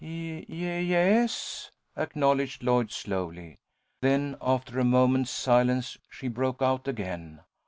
"Y yes," acknowledged Lloyd, slowly. Then, after a moment's silence, she broke out again.